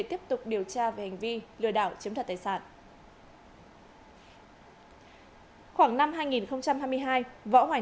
xin chào và hẹn gặp lại